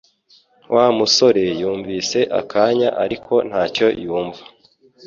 Wa musore yumvise akanya ariko ntacyo yumva